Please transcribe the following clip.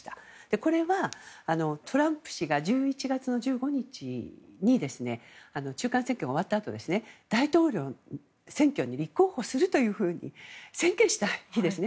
これはトランプ氏が１１月の１５日に中間選挙が終わったあと大統領の選挙に立候補すると宣言した日ですね。